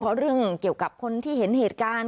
เพราะเรื่องเกี่ยวกับคนที่เห็นเหตุการณ์